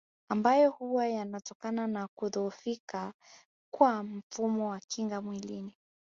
Ambayo huwa yanatokana na kudhohofika kwa mfumo wa kinga mwilini